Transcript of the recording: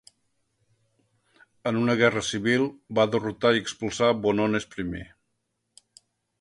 En una guerra civil, va derrotar i expulsar a Vonones I.